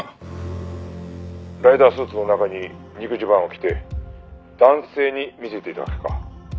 「ライダースーツの中に肉襦袢を着て男性に見せていたわけか」